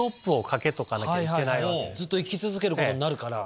ずっと生き続けることになるから。